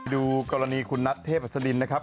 ดูกรณีคุณนัทเทพศดินนะครับ